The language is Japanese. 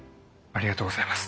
ありがとうございます。